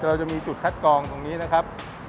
เราจะมีจุดคัดกองตรงนี้นะครับ